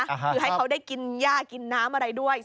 คือให้เขาได้กินย่ากินน้ำอะไรด้วย